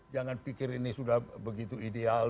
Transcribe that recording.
jangan pikir ini sudah begitu ideal